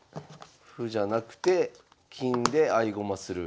歩じゃなくて金で合駒する。